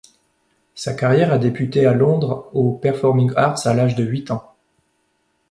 Sa carrière a débuté à Londres aux Performing Arts à l'âge de huit ans.